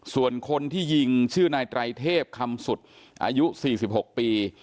ส่วนคนที่ยิงชื่อนายไตรเทพคำสุดอายุ๔๖ปี